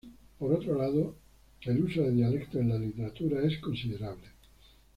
Por otro lado, el uso de dialectos en la literatura es considerable.